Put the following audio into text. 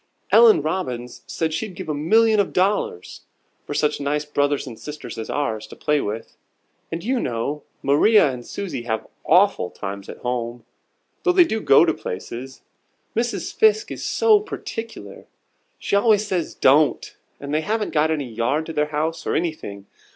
Ellen Robbins says she'd give a million of dollars for such nice brothers and sisters as ours to play with. And, you know, Maria and Susie have awful times at home, though they do go to places. Mrs. Fiske is so particular. She always says 'Don't,' and they haven't got any yard to their house, or anything.